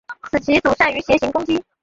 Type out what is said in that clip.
此棋组善于斜行攻击。